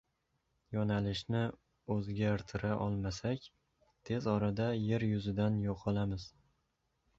Yoʻnalishni oʻzgartira olmasak, tez orada Yer yuzidan yoʻqolamiz.